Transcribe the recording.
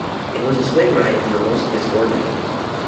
It was a swing riding for most of its first four decades.